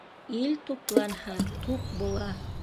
Ил тупланһа туп була